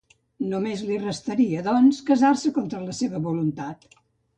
Només li restaria, doncs, casar-se contra la seva voluntat.